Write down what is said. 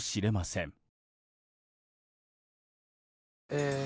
え